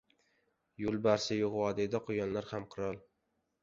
• Yo‘lbarsi yo‘q vodiyda quyonlar ham — qirol.